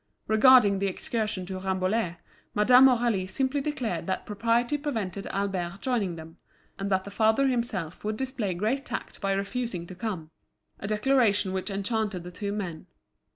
Regarding the excursion to Rambouillet, Madame Aurélie simply declared that propriety prevented Albert joining them, and that the father himself would display great tact by refusing to come; a declaration which enchanted the two men.